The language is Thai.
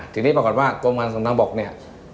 ทีนี้พก่อนว่ากรมคันสมทังบกเนี่ย